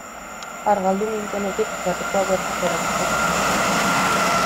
Argaldu nintzenetik gerrikoa berriz erabiltzen hasi naiz.